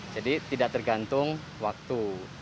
jadi tidak tergantung waktu